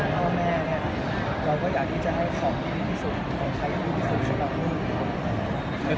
ขอบคุณแม่นะคะเราก็อยากให้ของดีที่สุดของใครถือดีที่สุด